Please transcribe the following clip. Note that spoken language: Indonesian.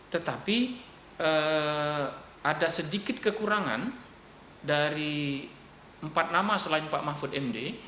tetapi ada sedikit kekurangan dari empat nama selain pak mahfud md